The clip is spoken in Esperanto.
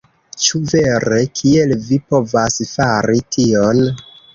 "Ĉu vere? Kiel vi povas fari tion?"